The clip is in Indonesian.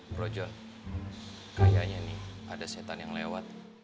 bro john kayaknya nih ada setan yang lewat